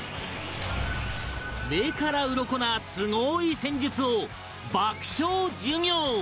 目からウロコなすごい戦術を爆笑授業